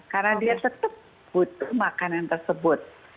karena dia tetep butuh makanan tersebut